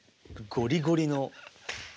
ゴリゴリ？